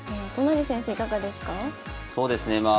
そうですよね。